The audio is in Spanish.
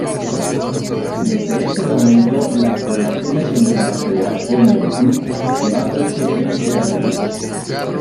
Desde ese momento las relaciones entre la federación y el club quedaron seriamente dañadas.